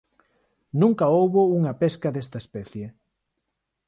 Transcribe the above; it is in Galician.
Nunca houbo unha pesca desta especie.